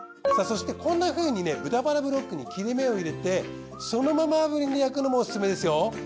そしてこんなふうに豚バラブロックに切れ目を入れてそのまま炙輪で焼くのもおすすめですよ。